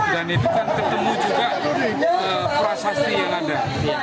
dan itu kan ketemu juga prasasti yang ada